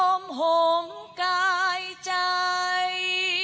ร่วมห่วงกายใจ